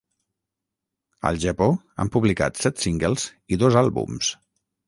Al Japó, han publicat set singles i dos àlbums.